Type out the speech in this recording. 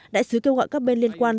đại sứ kêu gọi các bên liên quan